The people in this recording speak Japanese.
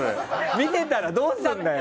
見てたらどうするんだよ！